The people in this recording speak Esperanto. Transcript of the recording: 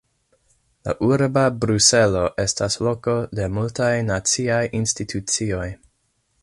La Urbo Bruselo estas loko de multaj naciaj institucioj.